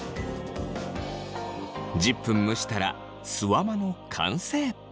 １０分蒸したらすわまの完成。